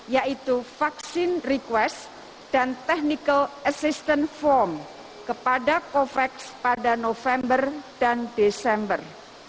yaitu vaksin request dan technical assistant form kepada covax pada november dan desember